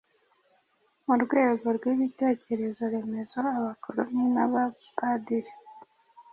Mu rwego rw'ibitekerezo-remezo , Abakoloni n'Abapadiri